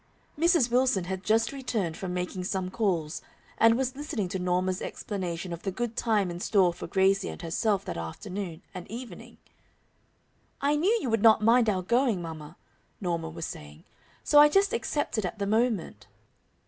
Mrs. Wilson had just returned from making some calls and was listening to Norma's explanation of the good time in store for Gracie and herself that afternoon and evening. "I knew you would not mind our going mamma," Norma was saying, "so I just accepted at the moment."